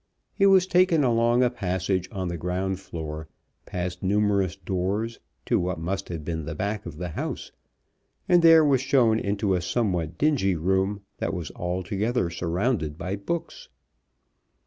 He was taken along a passage on the ground floor, past numerous doors, to what must have been the back of the house, and there was shown into a somewhat dingy room that was altogether surrounded by books.